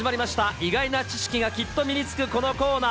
意外な知識がきっと身につくこのコーナー。